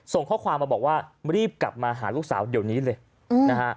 ส่งข้อความมาบอกว่ารีบกลับมาหาลูกสาวเดี๋ยวนี้เลยนะฮะ